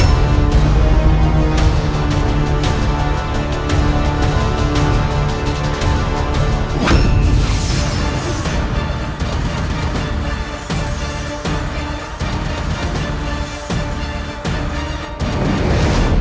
apakah topeng ini milikku